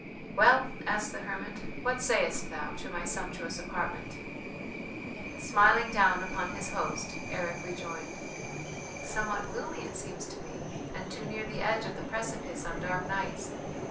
"Well," asked the hermit, "what sayest thou to my sumptuous apartment?" Smiling down upon his host Eric rejoined: "Somewhat gloomy it seems to me and too near the edge of the precipice on dark nights.